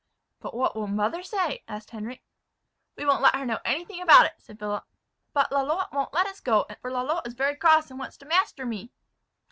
"But what will mother say?" asked Henric. "We won't let her know anything about it," said Philip. "But Lalotte won't let us go; for Lalotte is very cross, and wants to master me."